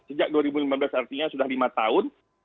sejak dua ribu lima belas artinya sudah lima tahun